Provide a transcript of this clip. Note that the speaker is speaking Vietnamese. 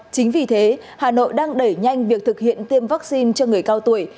chính vì thế hà nội đang đẩy nhanh việc thực hiện tiêm vaccine cho người cao tuổi